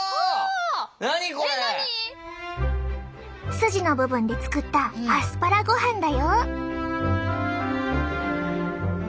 スジの部分で作ったアスパラご飯だよ。